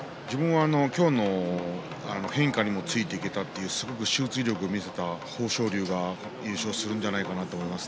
今日の変化にもついていけて集中力を見せた豊昇龍が優勝するんではないかと思います。